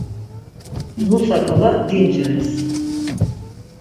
Nusa ǩala dincires.